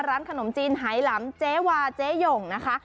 ร้านขนมจีนไหลำเจ๊วาเจ๊หย่งนะคะ